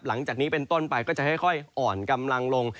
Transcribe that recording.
หลังจากนี้เป็นต้นไปก็จะค่อยอ่อนกำลังลง